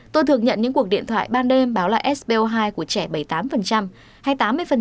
tôi thường nhận những cuộc điện thoại ban đêm báo là sbo hai của trẻ bảy mươi tám hay tám mươi